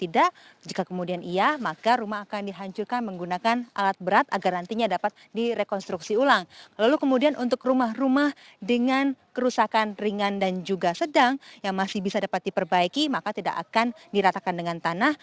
dengan kerusakan ringan dan juga sedang yang masih bisa dapat diperbaiki maka tidak akan diratakan dengan tanah